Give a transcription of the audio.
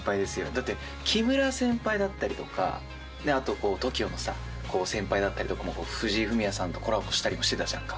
だって木村先輩だったりとかＴＯＫＩＯの先輩だったりとかも藤井フミヤさんとコラボしたりもしてたじゃんか。